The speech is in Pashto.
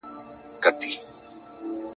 چي زه دي ساندي اورېدلای نه سم !.